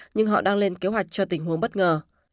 nhưng họ đang lên kế hoạch cho tình huống bất ngờ